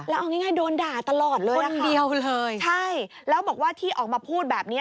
แล้วเอาง่ายโดนด่าตลอดเลยวันเดียวเลยใช่แล้วบอกว่าที่ออกมาพูดแบบนี้